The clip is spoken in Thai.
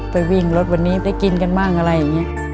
ไปวิ่งรถวันนี้ได้กินกันบ้างอะไรอย่างนี้